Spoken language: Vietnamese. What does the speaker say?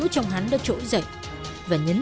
trong hắn đã trỗi dậy và nhấn